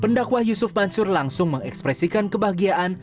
pendakwah yusuf mansur langsung mengekspresikan kebahagiaan